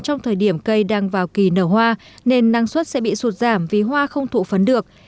trong thời điểm cây đang vào kỳ nở hoa nên năng suất sẽ bị sụt giảm vì hoa không thụ phấn được